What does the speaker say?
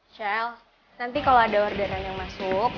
shell nanti kalau ada orderan yang masuk